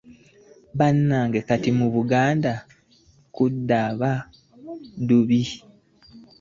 Bannange kati mugenda kundaba bubi.